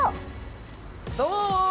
どうもー！